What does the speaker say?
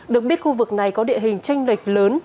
được biết khu vực này có địa hình tranh lệch lớn